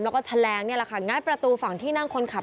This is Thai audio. แล้วก็แหลงงัดประตูฝั่งที่นั่งคนขับ